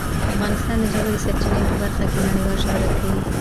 افغانستان د ژورې سرچینې په برخه کې نړیوال شهرت لري.